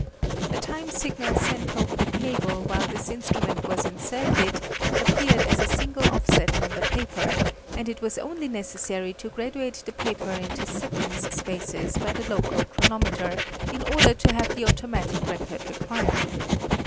A time signal sent over the cable while this instrument was in circuit, appeared as a single offset on the paper, and it was only necessary to graduate the paper into seconds spaces by the local chronometer, in order to have the automatic record required.